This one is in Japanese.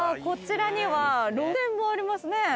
こちらには露店もありますね。